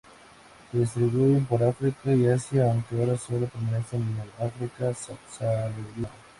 Se distribuyeron por África y Asia, aunque ahora sólo permanecen en el África subsahariana.